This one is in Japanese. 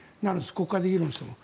国会で議論しても。